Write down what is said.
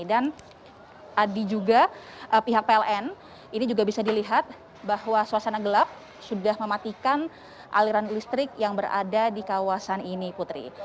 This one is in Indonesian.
dan di juga pihak pln ini juga bisa dilihat bahwa suasana gelap sudah mematikan aliran listrik yang berada di kawasan ini putri